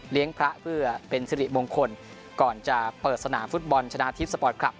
พระเพื่อเป็นสิริมงคลก่อนจะเปิดสนามฟุตบอลชนะทิพย์สปอร์ตคลับ